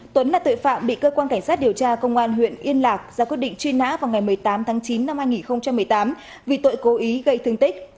tuấn là tội phạm bị cơ quan cảnh sát điều tra công an huyện yên lạc ra quyết định truy nã vào ngày một mươi tám tháng chín năm hai nghìn một mươi tám vì tội cố ý gây thương tích